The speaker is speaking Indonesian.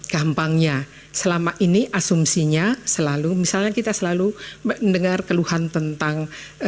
gampangnya selama ini asumsinya selalu misalnya kita selalu mendengar keluhan tentang